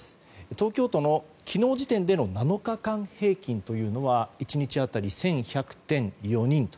東京都の昨日時点での７日間平均というのは１日当たり１１００．４人と。